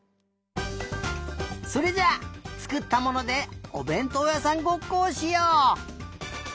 それじゃあつくったものでおべんとうやさんごっこをしよう！